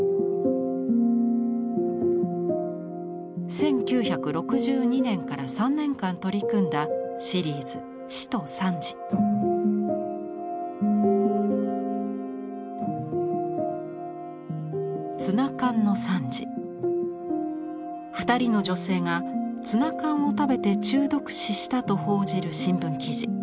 １９６２年から３年間取り組んだシリーズ２人の女性がツナ缶を食べて中毒死したと報じる新聞記事。